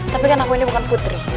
tapi kan aku ini bukan putri